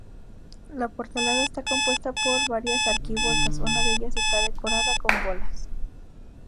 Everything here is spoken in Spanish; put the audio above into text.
La portalada está compuesta por varias arquivoltas; una de ellas está decorada con bolas.